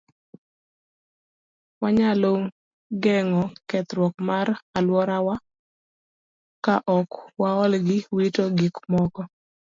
Wanyalo geng'o kethruok mar alworawa ka ok waol gi wito gik moko.